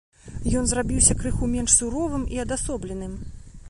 Ён зрабіўся крыху менш суровым і адасобленым.